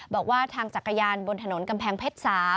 บอกว่าทางจักรยานบนถนนกำแพงเพชร๓